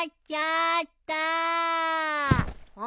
あ？